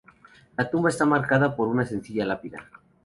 La tumba está marcada por una sencilla lápida.